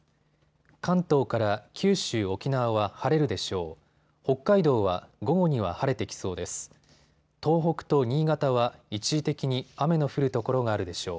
関東から九州、沖縄は晴れるでしょう。